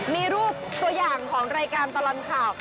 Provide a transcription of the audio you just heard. มีรูปตัวอย่างของรายการตลอดข่าว